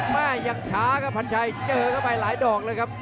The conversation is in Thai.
แม่ยังช้าครับพันชัยเจอเข้าไปหลายดอกเลยครับ